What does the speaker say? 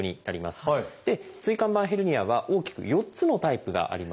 椎間板ヘルニアは大きく４つのタイプがあります。